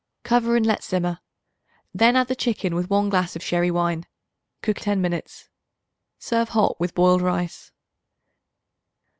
Cover and let simmer; then add the chicken with 1 glass of sherry wine. Cook ten minutes. Serve hot with boiled rice.